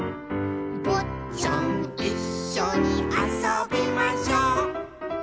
「ぼっちゃんいっしょにあそびましょう」